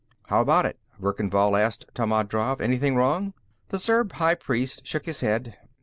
"How about it?" Verkan Vall asked Tammand Drav. "Anything wrong?" The Zurb high priest shook his head.